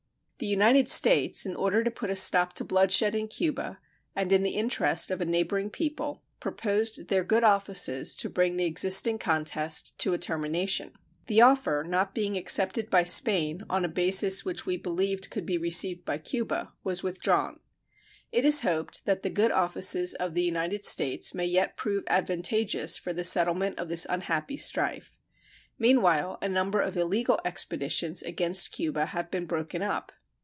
The United States, in order to put a stop to bloodshed in Cuba, and in the interest of a neighboring people, proposed their good offices to bring the existing contest to a termination. The offer, not being accepted by Spain on a basis which we believed could be received by Cuba, was withdrawn. It is hoped that the good offices of the United States may yet prove advantageous for the settlement of this unhappy strife. Meanwhile a number of illegal expeditions against Cuba have been broken up.